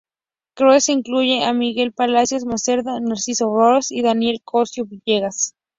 Krauze incluye a Miguel Palacios Macedo, Narciso Bassols, y Daniel Cosío Villegas.